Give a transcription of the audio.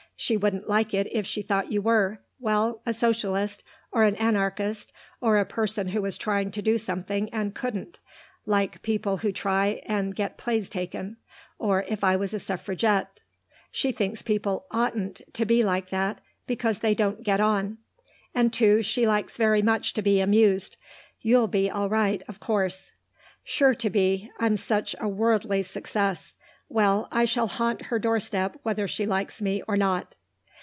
She wouldn't like it if she thought you were, well, a socialist, or an anarchist, or a person who was trying to do something and couldn't, like people who try and get plays taken; or if I was a suffragette. She thinks people oughtn't to be like that, because they don't get on. And, too, she likes very much to be amused. You'll be all right, of course." "Sure to be. I'm such a worldly success. Well, I shall haunt her doorstep whether she likes me or not."